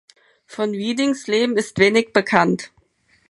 Von Readings Leben ist wenig bekannt.